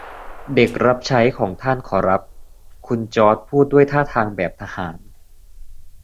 เด็กรับใช้ของท่านขอรับ คุณจอร์จพูดด้วยท่าทางแบบทหาร